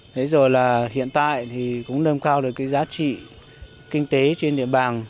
thế rồi là hiện tại thì cũng nâng cao được cái giá trị kinh tế trên địa bàn